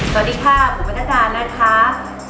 สวัสดีค่ะผมปะนัดด่านนะครับ